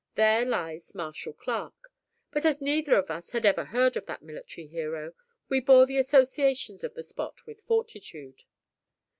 There lies Marshal Clarke. But as neither of us had ever heard of that military hero, we bore the associations of the spot with fortitude.